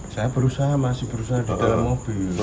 saya berusaha masih berusaha di dalam mobil